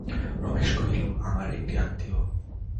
রমেশ কহিল, আমার একটি আত্মীয়।